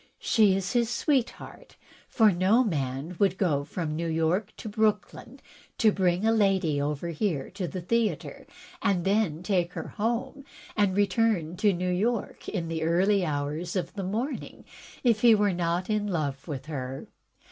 She is his sweetheart, for no man would go from New York to Brooklyn and bring a lady over here to the theatre, and then take her home, and return to New York in the early hours of morning, if he were not in love with her.